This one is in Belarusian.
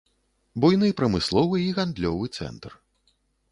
Буйны прамысловы і гандлёвы цэнтр.